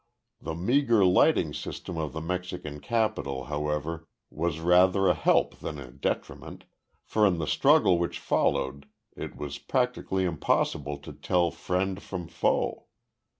The meager lighting system of the Mexican capital, however, was rather a help than a detriment, for in the struggle which followed it was practically impossible to tell friend from foe.